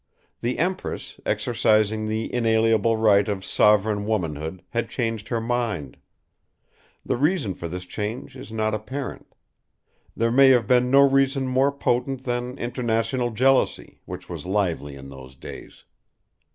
The Empress, exercising the inalienable right of sovereign womanhood, had changed her mind. The reason for this change is not apparent. There may have been no reason more potent than international jealousy, which was lively in those days.